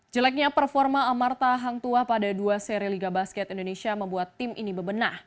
jeleknya performa amarta hangtua pada dua seri liga basket indonesia membuat tim ini bebenah